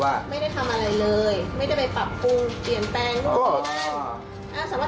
ว่าไม่ได้ทำอะไรเลยไม่ได้ไปปรับปรุงเปลี่ยนแปลงทุกอย่าง